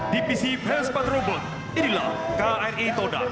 dpc pespat robot inilah kri toda